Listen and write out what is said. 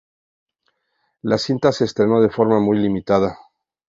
La cinta se estrenó de forma muy limitada.